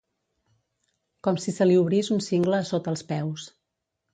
Com si se li obrís un cingle a sota els peus.